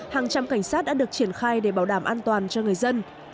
hàng trăm cảnh sát đã được triển khai để bảo đảm an toàn cho người dân